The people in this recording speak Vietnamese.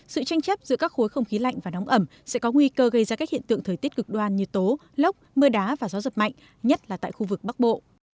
sự tranh chấp giữa các khối không khí lạnh và nóng ẩm sẽ có nguy cơ gây ra các hiện tượng thời tiết cực đoan như tố lốc mưa đá và gió giật mạnh nhất là tại khu vực bắc bộ